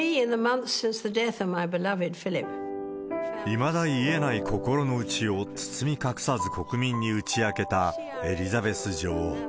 いまだ癒えない心の内を、包み隠さず国民に打ち明けたエリザベス女王。